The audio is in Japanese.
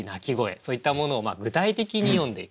そういったものを具体的に詠んでいく。